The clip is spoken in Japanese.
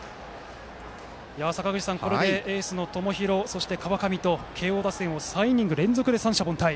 坂口さん、これでエースの友廣そして、川上と慶応打線を３イニング連続三者凡退。